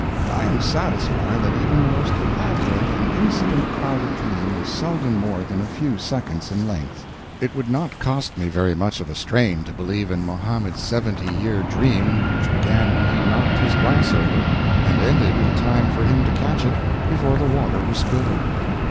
I am satisfied that even the most elaborate and incident crowded dream is seldom more than a few seconds in length. It would not cost me very much of a strain to believe in Mohammed's seventy year dream, which began when he knocked his glass over, and ended in time for him to catch it before the water was spilled.